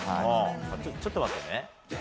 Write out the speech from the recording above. ちょっと待ってね。